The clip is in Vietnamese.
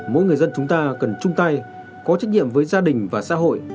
mỗi người dân chúng ta cần chung tay có trách nhiệm với gia đình và xã hội